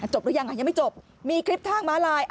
หรือยังยังไม่จบมีคลิปทางม้าลาย